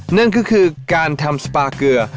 นั่นก็คือการทำสปาเกลือ